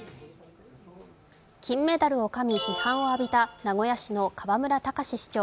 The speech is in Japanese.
金メダルをかみ、批判を浴びた名古屋市の河村たかし市長。